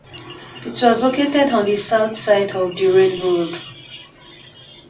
It was located on the south side of the railroad.